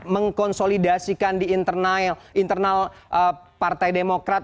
mengkonsolidasikan di internal partai demokrat